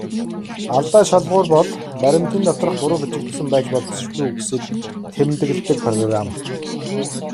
Алдаа шалгуур бол баримтын доторх буруу бичигдсэн байж болзошгүй үгсийг тэмдэглэдэг программ.